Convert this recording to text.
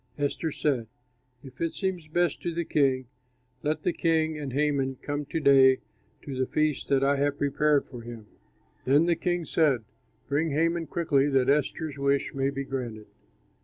Esther said, "If it seems best to the king, let the king and Haman come to day to the feast that I have prepared for him." Then the king said, "Bring Haman quickly, that Esther's wish may be granted."